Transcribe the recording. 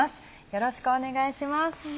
よろしくお願いします。